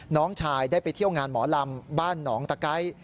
น้องชายได้ไปเที่ยวงานหมอลำบ้านหนองตะไก้